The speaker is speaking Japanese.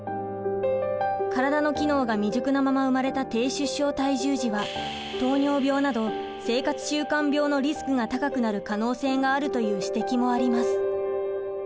からだの機能が未熟なまま生まれた低出生体重児は糖尿病など生活習慣病のリスクが高くなる可能性があるという指摘もあります。